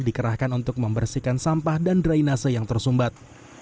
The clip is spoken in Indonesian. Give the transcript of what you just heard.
dikerahkan untuk membersihkan sampah dan drainase yang tersumbat